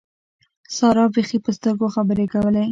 سارا بېخي په سترګو خبرې کولې.